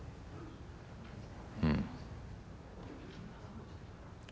うん。